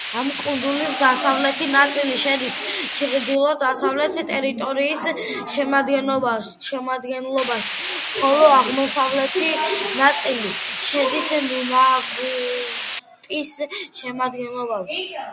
ამ კუნძულის დასავლეთი ნაწილი შედის ჩრდილო-დასავლეთი ტერიტორიის შემადგენლობაში, ხოლო აღმოსავლეთი ნაწილი შედის ნუნავუტის შემადგენლობაში.